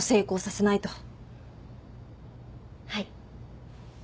はい。